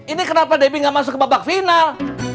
ini kenapa debbie gak masuk ke babak final